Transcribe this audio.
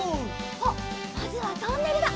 あっまずはトンネルだ。